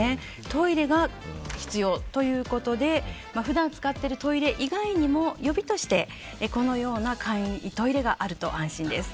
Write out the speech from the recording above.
トイレが必要ということで普段使っているトイレ以外にも予備としてこのような簡易トイレがあると安心です。